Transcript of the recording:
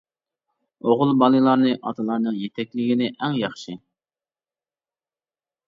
ئوغۇل بالىلارنى ئاتىلارنىڭ يېتەكلىگىنى ئەڭ ياخشى.